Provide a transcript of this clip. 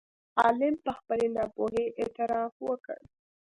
عالم په خپلې ناپوهۍ اعتراف وکړ.